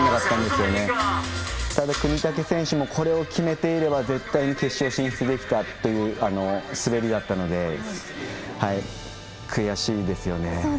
ただ、國武選手もこれを決めていれば絶対に決勝進出できたという滑りだったので悔しいですよね。